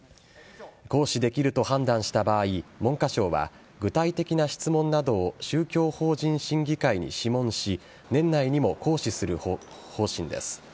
行使できると判断した場合文科省は具体的な質問などを宗教法人審議会に諮問し年内にも行使する方針です。